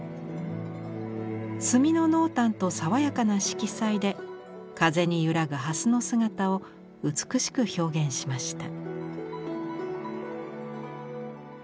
墨の濃淡とさわやかな色彩で風に揺らぐ蓮の姿を美しく表現しました。